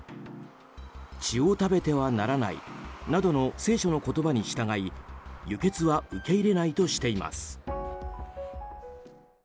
血を食べてはならないなどの聖書の言葉に従い輸血は受け入れないとしています。